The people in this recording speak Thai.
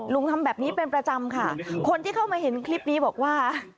ทำแบบนี้เป็นประจำค่ะคนที่เข้ามาเห็นคลิปนี้บอกว่า